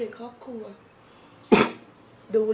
แล้วบอกว่าไม่รู้นะ